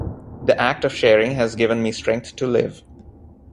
The act of sharing has given me strength to live.